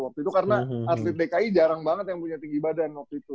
waktu itu karena atlet dki jarang banget yang punya tinggi badan waktu itu